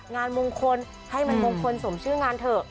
งานมงคลให้มันมงคลสมชื่องานเถอะ